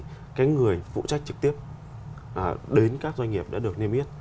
những cái người phụ trách trực tiếp đến các doanh nghiệp đã được niêm yết